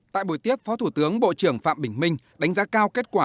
tại buổi tiếp phó thủ tướng bộ trưởng phạm bình minh đánh giá cao kết quả